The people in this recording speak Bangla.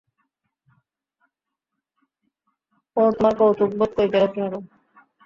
ওহ, তোমার কৌতুকবোধ কই গেলো, কিঙ্গো।